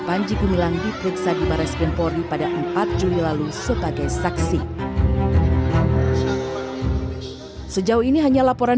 panji gumilang diperiksa di baris krimpori pada empat juli lalu sebagai saksi sejauh ini hanya laporan